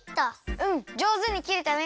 うんじょうずにきれたね。